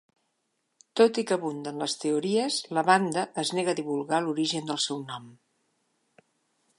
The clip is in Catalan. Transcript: Tot i que abunden les teories, la banda es nega a divulgar l'origen del seu nom.